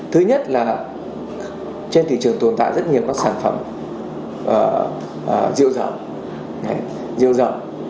thứ nhất là trên thị trường tồn tại rất nhiều các sản phẩm rượu rẩm